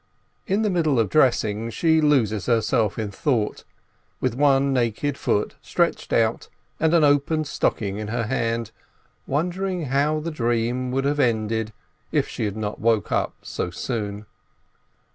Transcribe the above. In the middle of dressing she loses herself in thought, with one naked foot stretched out and an open stocking in her hands, wondering how the dream would have ended, if she had not awoke so soon.